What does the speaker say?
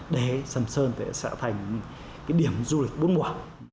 để sầm sơn sẽ thành điểm du lịch bốn mùa